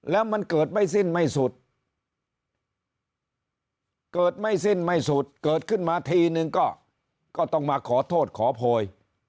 แล้วมันเกิดไม่สิ้นไม่สุดเกิดไม่สิ้นไม่สุดเกิดขึ้นมาทีนึงก็ต้องมาขอโทษขอโพย